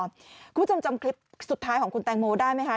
คุณผู้ชมจำคลิปสุดท้ายของคุณแตงโมได้ไหมคะ